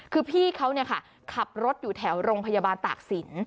คือพี่เขาขับรถอยู่แถวโรงพยาบาลตากศิลป